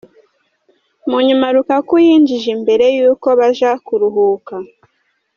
Mu nyuma Lukaku yinjije imbere y'uko baja kuruhuka.